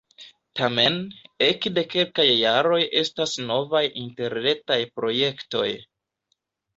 Tamen, ekde kelkaj jaroj estas novaj interretaj projektoj.